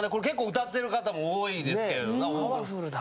結構歌ってる方も多いですけれどね。